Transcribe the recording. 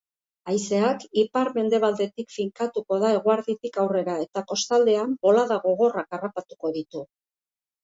Haizeak ipar-mendebaldetik finkatuko da eguerditik aurrera, eta kostaldean bolada gogorrak harrapatuko ditu.